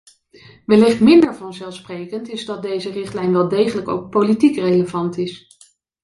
Wellicht minder vanzelfsprekend is dat deze richtlijn wel degelijk ook politiek relevant is.